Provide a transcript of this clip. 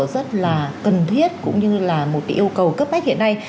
rất là cần thiết cũng như là một yêu cầu cấp bách hiện nay